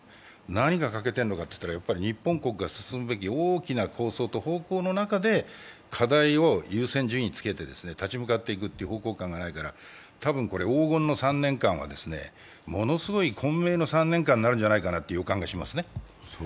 何が欠けてるのかというと日本国が進むべき大きな方向の中で課題を優先順位をつけて立ち向かっていくという方向感がないから多分、黄金の３年間はものすごい混迷の３年間になるんじゃないかなという予感がしますね。